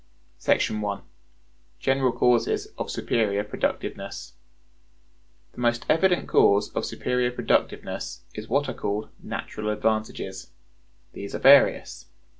§ 1. General Causes of Superior Productiveness. The most evident cause of superior productiveness is what are called natural advantages. These are various.